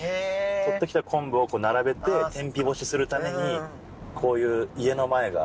採ってきた昆布を並べて天日干しするためにこういう家の前が。